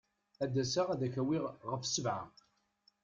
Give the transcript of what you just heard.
Ad d-aseɣ ad k-awiɣ ɣef sebɛa.